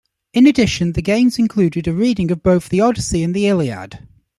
In addition, the Games included a reading of both the "Odyssey" and the "Iliad".